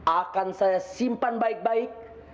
akan saya simpan baik baik